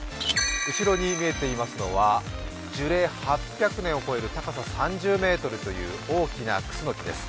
後ろに見えていますのは、樹齢８００年を超える高さ３０ｍという大きなくすの木です